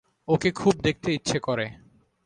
ওকে খুব দেখতে ইচ্ছে করে।